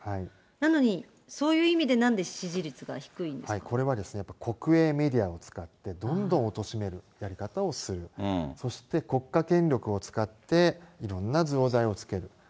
なのに、そういう意味で、なんでこれは、国営メディアを使って、どんどんおとしめるやり方をする、そして、国家権力を使って、いろんなじょうざいをつける。